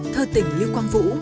thơ tình lưu quang vũ